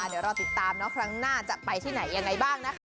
เดี๋ยวรอติดตามครั้งหน้าจะไปที่ไหนยังไงบ้างนะคะ